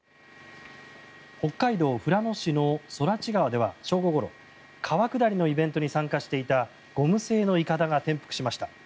北海道富良野市の空知川では正午ごろ川下りのイベントに参加していたゴム製のいかだが転覆しました。